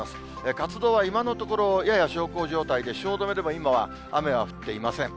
活動は今のところ、やや小康状態で、汐留でも今は雨は降っていません。